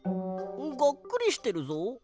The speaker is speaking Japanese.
がっくりしてるぞ。